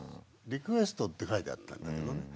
「リクエスト」って書いてあったんだけどねで